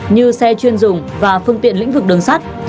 như xe chuyên dùng và phương tiện lĩnh vực đường sắt